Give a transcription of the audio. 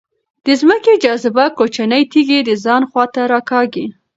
د ځمکې جاذبه کوچنۍ تیږې د ځان خواته راکاږي.